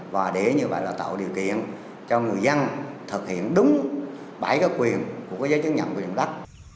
và để như vậy là tạo điều kiện cho người dân thực hiện đúng bảy cái quyền của cái giấy chứng nhận quyền đất